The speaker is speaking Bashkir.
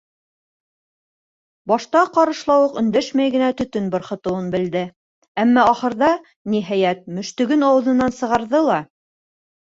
Башта Ҡарышлауыҡ өндәшмәй генә төтөн бырхытыуын белде, әммә ахырҙа, ниһайәт, мөштөгөн ауыҙынан сығарҙы ла: